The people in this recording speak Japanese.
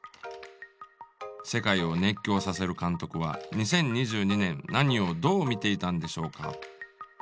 世界を熱狂させる監督は２０２２年何をどう見ていたんでしょうか？